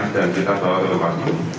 dan kita tolakkan